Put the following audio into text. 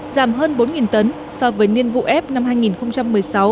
giảm hơn bốn tấn so với niên vụ f năm hai nghìn một mươi sáu hai nghìn một mươi bảy